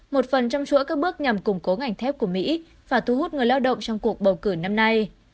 một phần trong chuỗi các bước nhằm củng cố ngành thép của mỹ và thu hút người lao động trong cuộc bầu cử năm nay